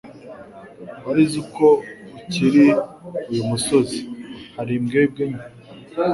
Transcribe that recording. Wari uzi ko kuri uyu musozi hari imbwebwe nke?